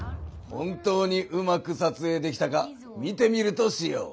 本当にうまく撮影できたか見てみるとしよう。